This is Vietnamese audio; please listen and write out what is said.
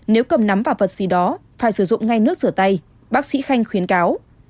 nếu cầm nắm vào vật gì đó phải sử dụng ngay nước sửa tay bác sĩ khanh khuyến cáo